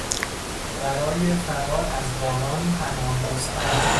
برای فرار از باران پناه جستن